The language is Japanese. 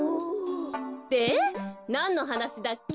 でなんのはなしだっけ？